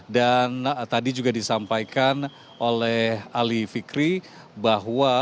dan tadi juga disampaikan oleh ali fikri bahwa